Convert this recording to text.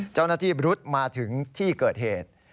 เจ้าหน้าที่บรุษมาถึงที่เกิดเหตุ